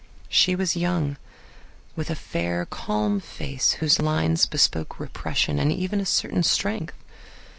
She was young, with a fair, calm face, whose lines bespoke repression and even a certain strength.